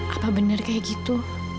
apa bener kayak gitu